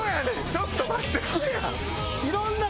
ちょっと待ってな。